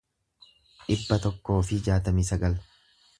dhibba tokkoo fi jaatamii sagal